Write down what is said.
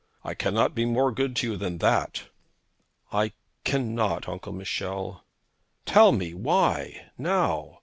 I cannot be more good to you than that.' 'I can not, Uncle Michel.' 'Tell me why, now.